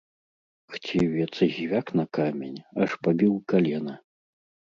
Хцівец звяк на камень, аж пабіў калена.